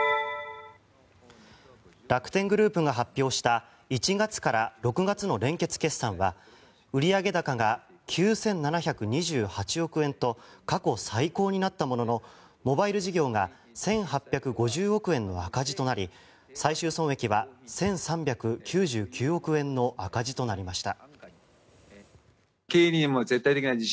楽天グループが発表した１月から６月の連結決算は売上高が９７２８億円と過去最高になったもののモバイル事業が１８５０億円の赤字となり最終損益は１３９９億円の赤字となりました。